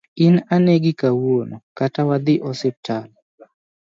In anegi kawuono kata wadhi osiptal